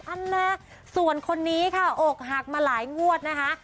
อันนะส่วนคนนี้ค่ะอกหักมาหลายงวดนะคะ